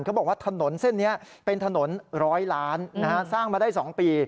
เขาบอกว่าถนนเส้นนี้เป็นถนน๑๐๐ล้านสร้างมาได้๒ปี